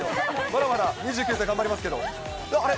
まだまだ２９歳、頑張りますけれども、あれ？